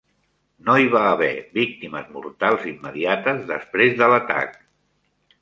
No hi va haver víctimes mortals immediates després de l'atac.